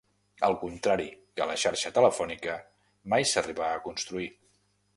Al contrari que la xarxa telefònica, mai s'arribà a construir.